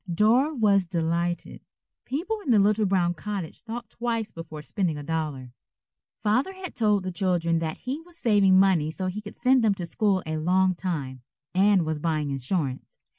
Dora was delighted. People in the little brown cottage thought twice before spending a dollar. Father had told the children that he was saving money so he could send them to school a long time, and was buying insurance.